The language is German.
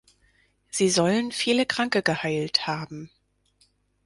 Sie sollen viele Kranke geheilt haben.